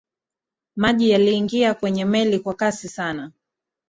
maji yaliingia kwenye meli kwa kasi sana